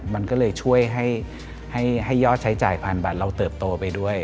มันก็เลยช่วยให้ยอดใช้จ่ายผ่านบัตรเราเติบโตไปด้วย